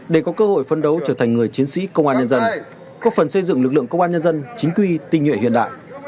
để có cơ hội phân đấu trở thành người chiến sĩ công an nhân dân góp phần xây dựng lực lượng công an nhân dân chính quy tinh nhuệ hiện đại